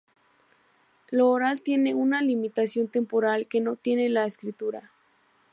Lo oral tiene una limitación temporal que no tiene la escritura.